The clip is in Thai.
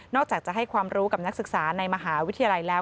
อกจากจะให้ความรู้กับนักศึกษาในมหาวิทยาลัยแล้ว